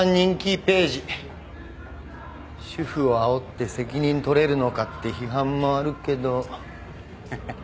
主婦をあおって責任取れるのかって批判もあるけど。